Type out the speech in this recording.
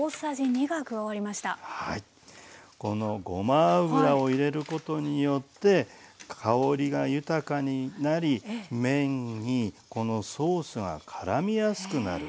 このごま油を入れることによって香りが豊かになり麺にこのソースがからみやすくなる。